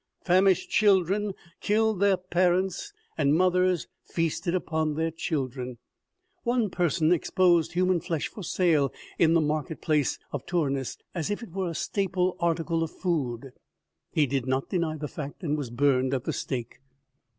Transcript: Famished children killed their parents, and mothers feasted upon their children. One person exposed human flesh for sale in the market place of Tournus, as if it were a staple arti cle of food. He did not deny the fact and was burned at the stake.